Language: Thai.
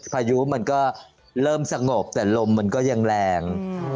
พายุมันก็เริ่มสงบแต่ลมมันก็ยังแรง